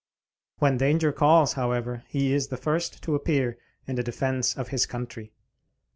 When danger calls, however, he is the first to appear in the defense of his country.